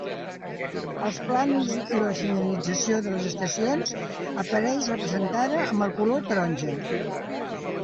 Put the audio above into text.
Als plànols i a la senyalització de les estacions apareix representada amb el color taronja.